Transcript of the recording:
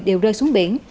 đều rơi xuống biển